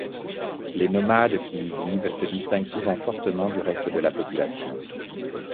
Les nomades qui y vivent se distinguent souvent fortement du reste de la population.